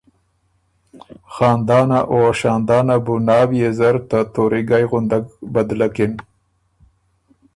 خاندانه او شاندانه بُو ناويې زر ته توریګئ غُندک بدلکِن۔